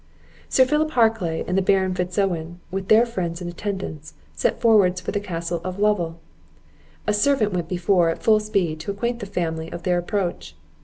Sir Philip Harclay and the Baron Fitz Owen, with their friends and attendants, set forwards for the Castle of Lovel; a servant went before, at full speed, to acquaint the family of their approach.